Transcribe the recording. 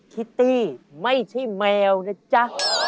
คิตตี้ไม่ใช่แมวนะจ๊ะ